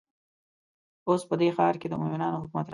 اوس په دې ښار کې د مؤمنانو حکومت راغلی.